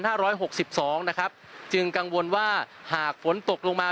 ร้อยหกสิบสองนะครับจึงกังวลว่าหากฝนตกลงมา